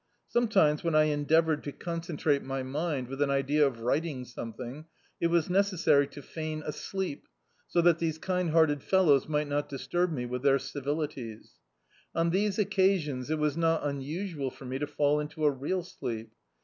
Sanetimes, when I endeavoured to concentrate my D,i.,.db, Google False Hopes mind, with an idea of writing something, it was necessary to feign a sleep, so that these kind hearted fellows mi^t not disturb me with their civilities. On these occasions it was not unusual for me to fall into a real sleep.